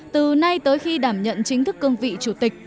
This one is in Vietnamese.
từ nay tới khi đảm nhận chính thức cương vị chủ tịch